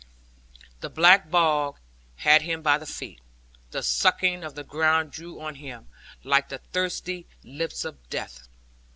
The black bog had him by the feet; the sucking of the ground drew on him, like the thirsty lips of death.